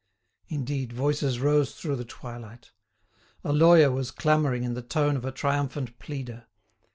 Indeed, voices rose through the twilight. A lawyer was clamouring in the tone of a triumphant pleader.